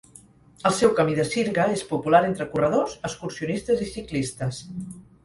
El seu camí de sirga és popular entre corredors, excursionistes i ciclistes.